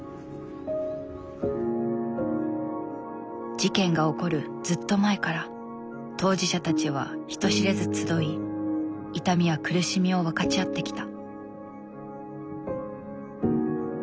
事件が起こるずっと前から当事者たちは人知れず集い痛みや苦しみを分かち合ってきた。